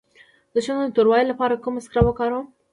د شونډو د توروالي لپاره کوم اسکراب وکاروم؟